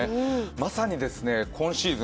まさに今シーズン